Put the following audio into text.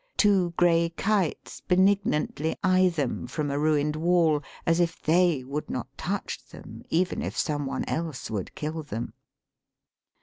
Two grey kites benignantly eye them from a ruined wall as if they would not touch them, even if some one else would kill them.